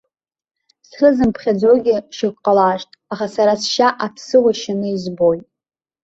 Зхы зымԥхьаӡогьы шьоук ҟалашт, аха сара сшьа аԥсыуа шьаны избоит.